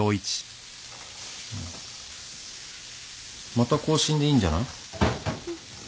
また更新でいいんじゃない？